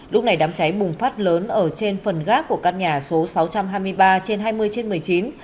lúc này đám cháy bùng phát lớn ở trên phần gác của căn nhà số sáu trăm hai mươi ba trên hai mươi trên một mươi chín